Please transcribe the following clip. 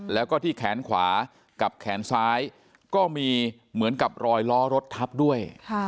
แล้วก็ที่แขนขวากับแขนซ้ายก็มีเหมือนกับรอยล้อรถทับด้วย